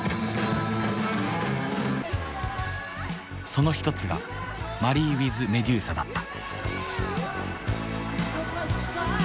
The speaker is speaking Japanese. その一つがマリー・ウィズ・メデューサだった。